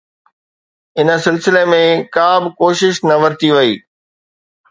ان سلسلي ۾ ڪا به ڪوشش نه ورتي وئي.